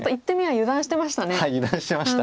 油断してました。